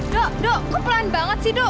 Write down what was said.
do do kok pelan banget sih do